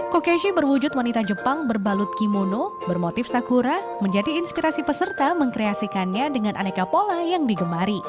kokeshi berwujud wanita jepang berbalut kimono bermotif sakura menjadi inspirasi peserta mengkreasikannya dengan aneka pola yang digemari